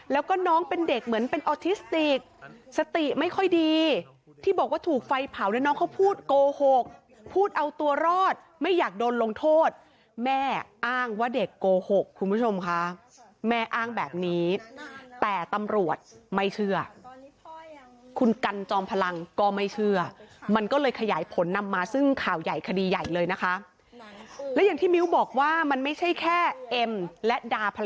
แล้วก็น้องเป็นเด็กเหมือนเป็นออทิสติกสติไม่ค่อยดีที่บอกว่าถูกไฟเผาเนี่ยน้องเขาพูดโกหกพูดเอาตัวรอดไม่อยากโดนลงโทษแม่อ้างว่าเด็กโกหกคุณผู้ชมค่ะแม่อ้างแบบนี้แต่ตำรวจไม่เชื่อคุณกันจอมพลังก็ไม่เชื่อมันก็เลยขยายผลนำมาซึ่งข่าวใหญ่คดีใหญ่เลยนะคะและอย่างที่มิ้วบอกว่ามันไม่ใช่แค่เอ็มและดาพ